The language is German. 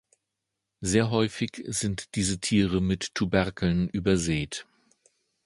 Sehr häufig sind diese Tiere mit Tuberkeln übersät.